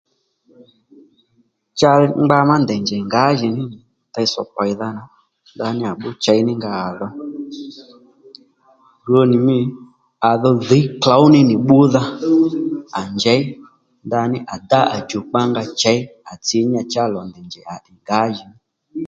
Cha ngba má ndèy njèy ngǎjìní teytsò pèydha nà ndaní à bbíy chěy ní nga à dho rwo nì mî à dho dhǐy klǒw ní nì bbúdha à njěy ndaní à dá à djùkpa nga chěy ndaní à tsǐ chá lò ndèy njèy nì nì ngǎjìní